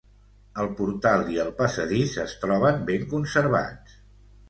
El portal i el passadís es troben ben conservats.